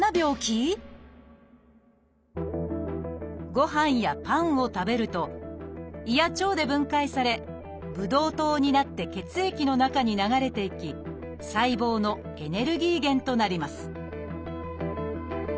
ご飯やパンを食べると胃や腸で分解されブドウ糖になって血液の中に流れていき細胞のエネルギー源となります